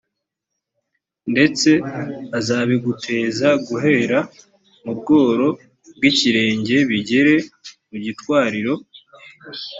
ndetse azabiguteza guhera mu bworo bw’ikirenge bigere mu gitwariro.